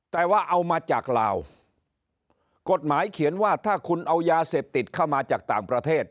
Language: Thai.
แต่ว่าเอามาจากลาวกฎหมายเขียนว่าถ้าคุณเอายาเสพติดเข้ามาจากต่างประเทศ